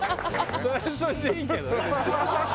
それはそれでいいけどね。